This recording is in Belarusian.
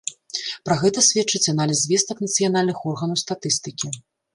Пра гэта сведчыць аналіз звестак нацыянальных органаў статыстыкі.